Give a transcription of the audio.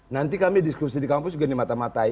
nanti kami diskusi di kampus juga dimata matai